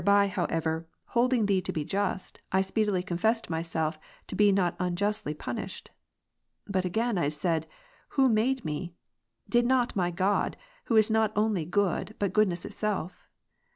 Ill however, holding Thee to be just, I si^eedily confessed myself to be not unjustly punished. But again I said. Who made me? Did not my God, who is not only good, but goodness itself?